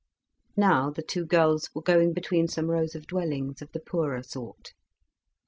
Now the two girls were going between some rows of dwellings, of the poorer sort.